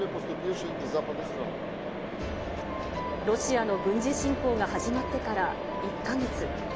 ロシアの軍事侵攻が始まってから１か月。